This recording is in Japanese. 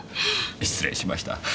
失礼しました。